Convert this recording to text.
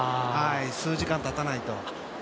数時間たたないと。